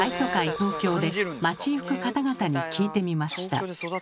東京で街行く方々に聞いてみました。